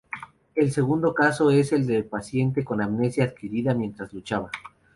El segundo caso es el de un paciente con amnesia adquirida mientras luchaba.